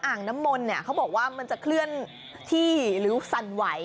อ่างน้ำมนต์เนี่ยเขาบอกว่ามันจะเคลื่อนที่หรือสั่นไหว